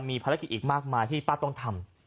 มีภารกิจอีกมากมายที่ป้าต้องทำ